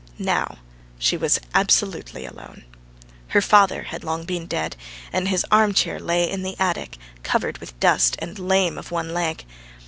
Now she was absolutely alone. Her father had long been dead, and his armchair lay in the attic, covered with dust and lame of one leg.